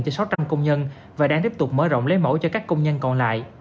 cho sáu trăm linh công nhân và đang tiếp tục mở rộng lấy mẫu cho các công nhân còn lại